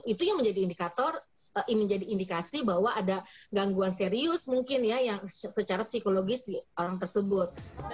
itu yang menjadi indikasi bahwa ada gangguan serius mungkin ya yang secara psikologis di orang tersebut